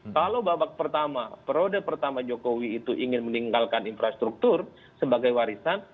kalau babak pertama perode pertama jokowi itu ingin meninggalkan infrastruktur sebagai warisan